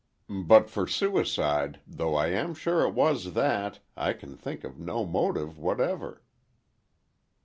But for suicide, though I am sure it was that, I can think of no motive whatever."